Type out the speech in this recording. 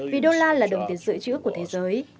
vì đô la là đồng tiền dự trữ của thế giới